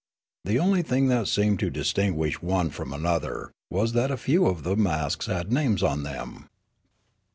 The onl}' thing that seemed to distinguish one from another was that a few of the masks had names on them.